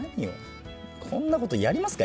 こんなことやりますか？